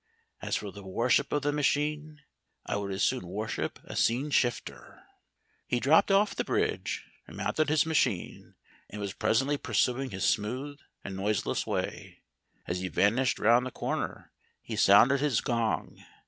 As for the worship of the machine, I would as soon worship a scene shifter." He dropped off the bridge and mounted his machine, and was presently pursuing his smooth and noiseless way. As he vanished round the corner he sounded his gong.